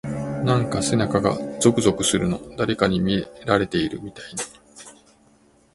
なんか背中がゾクゾクするの。誰かに見られてるみたいな…。